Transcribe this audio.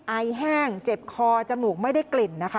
อายแห้งเจ็บคอจมูกไม่ได้กลิ่น